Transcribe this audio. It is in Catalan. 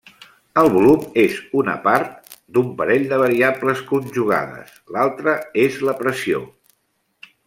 El volum és una part d'un parell de variables conjugades; l'altra és la pressió.